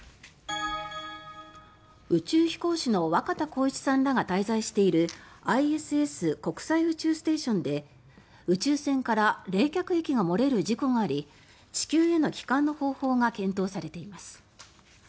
宇宙飛行士の若田光一さんらが滞在しているＩＳＳ・国際宇宙ステーションで宇宙船から冷却液が漏れる事故があり地球への帰還の方法が検討されています。